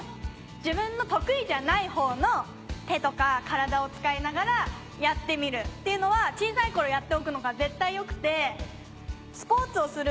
自分の得意じゃない方の手とか体を使いながらやってみるっていうのは小さい頃やっておくのが絶対良くて。